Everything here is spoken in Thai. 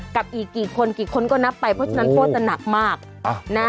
กับอีกกี่คนกี่คนก็นับไปเพราะฉะนั้นโทษจะหนักมากนะ